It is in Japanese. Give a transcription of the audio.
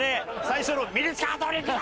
最初の「ミニスカート陸上！」